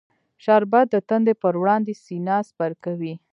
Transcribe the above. شربت د تندې پر وړاندې سینه سپر کوي